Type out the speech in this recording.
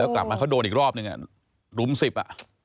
แล้วกลับมาเขาโดนอีกรอบหนึ่งหลุมสิบ